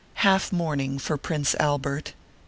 (HALF MOURNING FOR PRINCE ALBERT.)